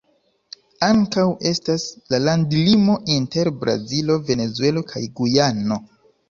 Ankaŭ estas la landlimo inter Brazilo, Venezuelo kaj Gujano.